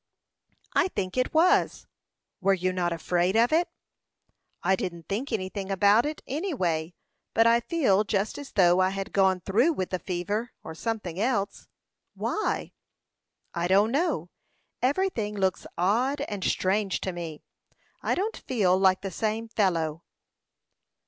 "I think it was." "Were you not afraid of it?" "I didn't think anything about it, any way; but I feel just as though I had gone through with the fever, or something else." "Why?" "I don't know; everything looks odd and strange to me. I don't feel like the same fellow."